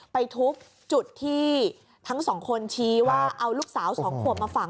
ไปทุบจุดที่ทั้งสองคนชี้ว่าเอาลูกสาวสองขวบมาฝัง